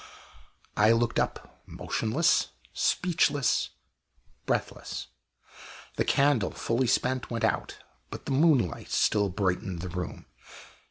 I looked up, motionless, speechless, breathless. The candle, fully spent, went out; but the moonlight still brightened the room.